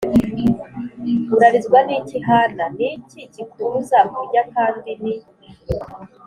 Urarizwa n iki Hana Ni iki kikubuza kurya kandi ni